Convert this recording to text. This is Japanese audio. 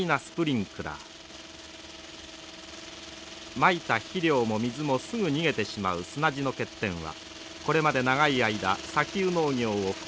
まいた肥料も水もすぐ逃げてしまう砂地の欠点はこれまで長い間砂丘農業を不可能にしてきました。